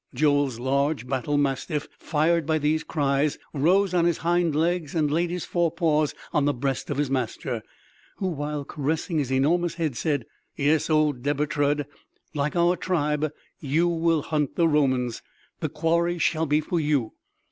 Joel's large battle mastiff, fired by these cries, rose on his hind legs and laid his fore paws on the breast of his master, who, while caressing his enormous head said: "Yes, old Deber Trud, like our tribe you will hunt the Romans.... The quarry shall be for you....